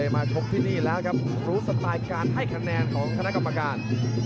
มาชกที่นี่แล้วครับรู้สไตล์การให้คะแนนของคณะกรรมการ